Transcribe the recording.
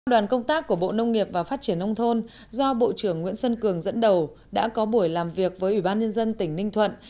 đoàn công tác của bộ nông nghiệp và phát triển nông thôn do bộ trưởng nguyễn xuân cường dẫn đầu đã có buổi làm việc với ủy ban nhân dân tỉnh ninh thuận